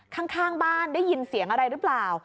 ข้างบ้านได้ยินเสียงอะไรหรือเปล่า